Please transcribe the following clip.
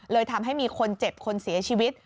เลยทำให้มีคนเจ็บคนเสียชีวิต